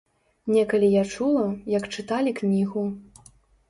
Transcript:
Некалі я чула, як чыталі кнігу.